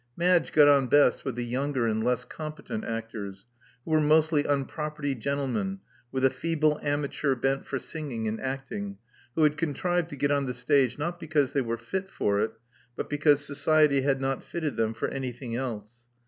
Madge got on best with the younger and less competent actors, who were mostly unpropertied gentlemen, with a feeble amateur bent for singing and acting, who had contrived to get on the stage, not because they were fit for it, but because society had not fitted them for anything else.